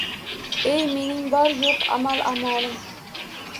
Ey, mening bori yo‘q amal-a’molim